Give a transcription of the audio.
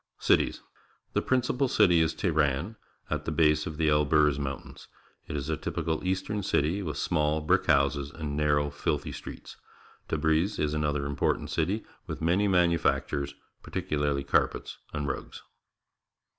Cities. — The principal city is Teheran, at the base of the Elburz Mountains. It is a typical eastern city, with small, brick houses and narrow, filthy streets. Tabriz is another important city, with many manu factures, particularly carpets and rugs.